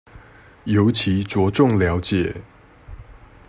尤其著重了解